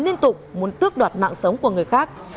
liên tục muốn tước đoạt mạng sống của người khác